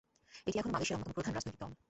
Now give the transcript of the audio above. এটি এখনো মালয়েশিয়ার অন্যতম প্রধান রাজনৈতিক দল।